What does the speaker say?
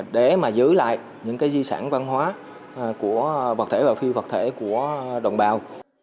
để mà giữ lại những cái di sản văn hóa của vật thể và phi vật thể của đồng bào